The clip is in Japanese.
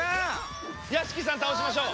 屋敷さん倒しましょう。